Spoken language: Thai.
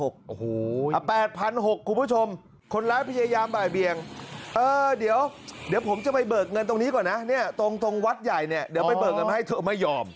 ๘๖๐๐คุณผู้ชมคนร้ายพยายามบ่ายเบียงเออเดี๋ยวผมจะไปเบิกเงินตรงนี้ก่อนนะเนี่ยตรงวัดใหญ่เนี่ยเดี๋ยวไปเบิกเงินมาให้เธอไม่ยอม